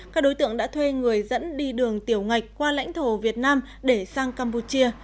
các đối tượng đã thuê người dẫn đi đường tiểu ngạch qua lãnh thổ việt nam để sang campuchia